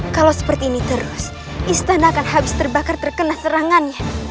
kalau seperti ini terus istana akan habis terbakar terkena serangan